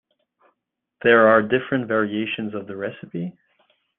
There are different variations of the recipe.